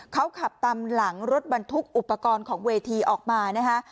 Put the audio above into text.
เขาขับตามหลังรถบรรทุกอุปกรณ์ของเวทีออกมานะคะ